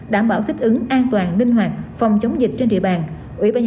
đảm bảo thích ứng an toàn ninh hoạt phòng chống dịch trên trị bàn